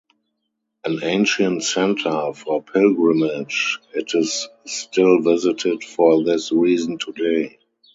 An ancient centre for pilgrimage, it is still visited for this reason today.